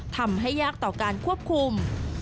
ทำให้ยากต่อการควบคุม